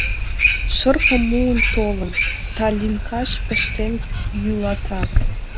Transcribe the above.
Шырпым муын толын, талинкаш пыштен йӱлата.